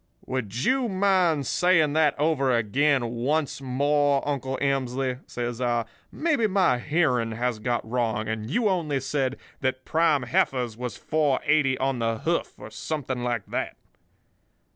"'Would you mind saying that over again once more, Uncle Emsley?' says I. 'Maybe my hearing has got wrong, and you only said that prime heifers was 4.80 on the hoof, or something like that.